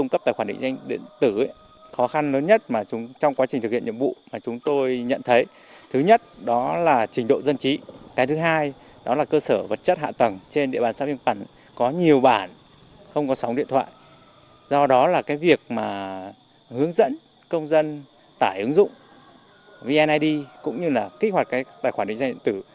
công dân tải ứng dụng vneid cũng như kích hoạt tài khoản định danh điện tử